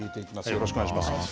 よろしくお願いします。